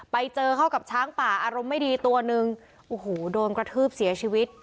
ไปเจอเข้ากับช้างป่าอารมณ์ไม่ดีตัวหนึ่งโอ้โหโดนกระทืบเสียชีวิต